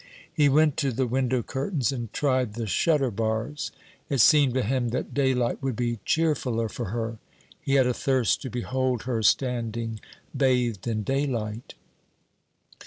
He went to the window curtains and tried the shutter bars. It seemed to him that daylight would be cheerfuller for her. He had a thirst to behold her standing bathed in daylight.